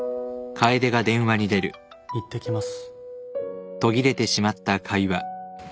いってきます